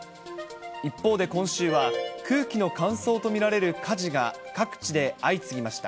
一方で今週は、空気の乾燥と見られる火事が各地で相次ぎました。